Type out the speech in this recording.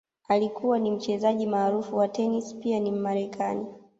Alikuwa ni Mchezaji maarufu wa tenisi pia ni Mmarekani